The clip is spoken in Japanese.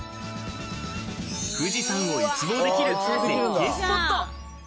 富士山を一望できる絶景スポット。